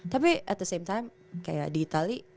tapi at the same time kayak di itali